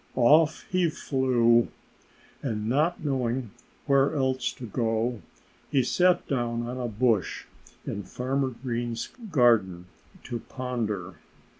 Off he flew. And not knowing where else to go, he sat down on a bush in Farmer Green's garden, to ponder.